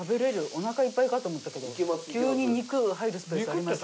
おなかいっぱいかと思ったけど急に肉入るスペースありました。